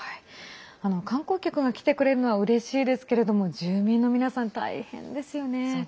観光客が来てくれるのはうれしいですけれども住民の皆さん大変ですよね。